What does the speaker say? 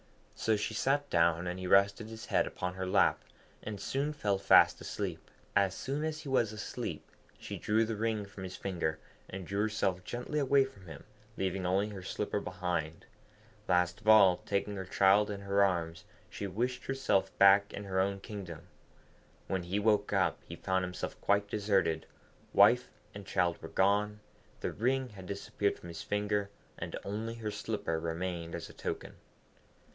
So she sat down, and he rested his head upon her lap, and soon fell fast asleep. As soon as he was asleep, she drew the ring from his finger, and drew herself gently away from him, leaving only her slipper behind. Last of all, taking her child in her arms, she wished herself back in her own kingdom. When he woke up, he found himself quite deserted; wife and child were gone, the ring had disappeared from his finger, and only her slipper remained as a token.